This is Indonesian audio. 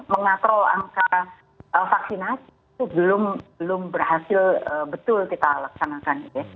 mengatrol angka vaksinasi itu belum berhasil betul kita laksanakan